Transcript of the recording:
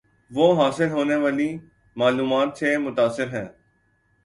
وہ حاصل ہونے والی معلومات سے متاثر ہیں